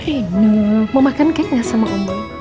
rino mau makan cake gak sama omro